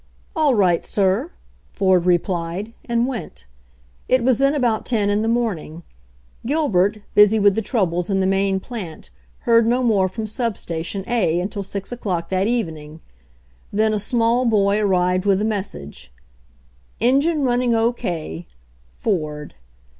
"All right, sir/' Ford replied, and went. It was then about ten in the morning. Gilbert, busy with the troubles in the main plant, heard no more from sub station A until 6 o'clock that evening. Then a small boy arrived with a message : "En gine running O. K.— 'Ford."